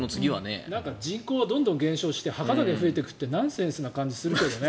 人口がどんどん減少して墓だけが増えていくってナンセンスな感じがするけどね。